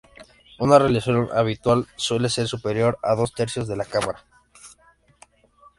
Una relación habitual suele ser superior a dos tercios de la cámara.